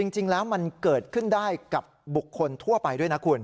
จริงแล้วมันเกิดขึ้นได้กับบุคคลทั่วไปด้วยนะคุณ